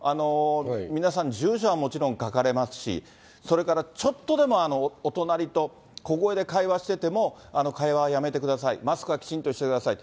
皆さん、住所はもちろん書かれますし、それからちょっとでもお隣と小声で会話してても会話はやめてください、マスクはきちんとしてください。